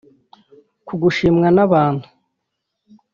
ku gushimwa n’abantu